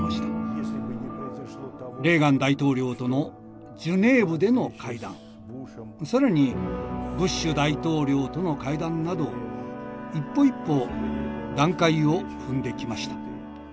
レーガン大統領とのジュネーブでの会談更にブッシュ大統領との会談など一歩一歩段階を踏んできました。